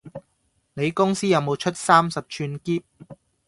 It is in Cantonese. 你公司有冇出三十吋喼？